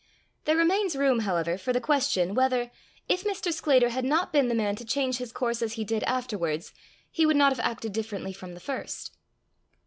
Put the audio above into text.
There remains room, however, for the question, whether, if Mr. Sclater had not been the man to change his course as he did afterwards, he would not have acted differently from the first.